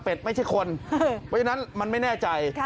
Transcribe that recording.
ไม่ใช่คนเพราะฉะนั้นมันไม่แน่ใจ